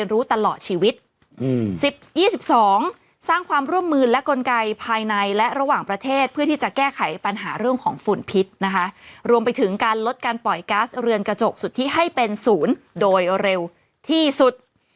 รวมไปถึงการลดการปล่อยก๊าซเรือนกระจกสุดที่ให้เป็นศูนย์โดยเร็วที่สุด